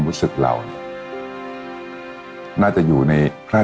แต่ตอนเด็กก็รู้ว่าคนนี้คือพระเจ้าอยู่บัวของเรา